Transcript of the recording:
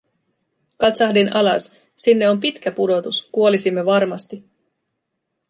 Katsahdin alas, sinne on pitkä pudotus, kuolisimme varmasti.